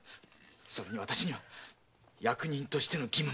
それに私には役人としての義務も。